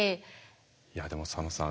いやでも佐野さん